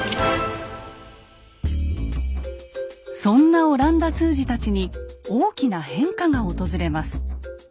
そんな阿蘭陀通詞たちに大きな変化が訪れます。